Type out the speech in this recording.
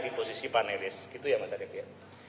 di posisi panelis gitu ya mas aditya